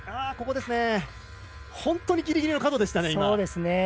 ここ、本当にギリギリの角でした。